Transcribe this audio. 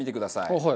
はい。